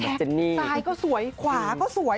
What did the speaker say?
พี่แจ๊กท้ายก็สวยขวาก็สวย